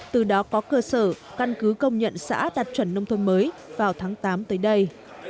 từ đó có cơ sở căn cứ công nhận xã đạt chuẩn nông thôn mới vào tháng tám tới đây